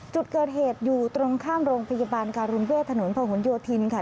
จุดเกิดเหตุอยู่ตรงข้ามโรงพยาบาลการุณเวทถนนพะหนโยธินค่ะ